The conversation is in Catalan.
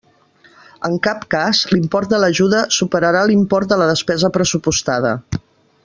En cap cas l'import de l'ajuda superarà l'import de la despesa pressupostada.